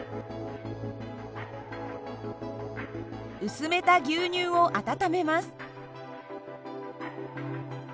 薄めた牛乳を温めます。